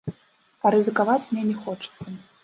А рызыкаваць мне не хочацца.